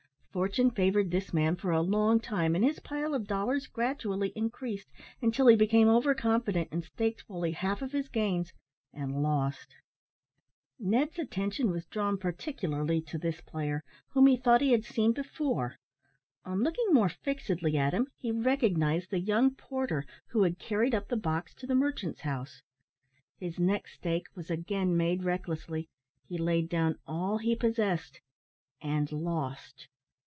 Fortune favoured this man for a long time, and his pile of dollars gradually increased until he became over confident and staked fully half of his gains and lost. Ned's attention was drawn particularly to this player, whom he thought he had seen before. On looking more fixedly at him, he recognised the young porter who had carried up the box to the merchant's house. His next stake was again made recklessly. He laid down all he possessed and lost.